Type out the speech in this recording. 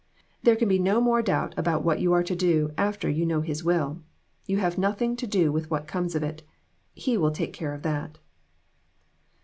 There can be no more doubt about what you are to do after you know his will. You have nothing to do with what comes of' it. He will take care of that."